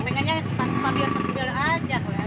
pengennya pasang pasang biar biar aja